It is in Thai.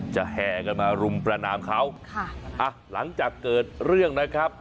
แห่กันมารุมประนามเขาค่ะอ่ะหลังจากเกิดเรื่องนะครับ